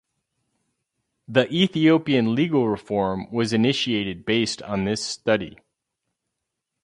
The Ethiopian legal reform was initiated based on this study.